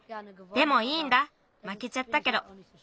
でもいいんだまけちゃったけど。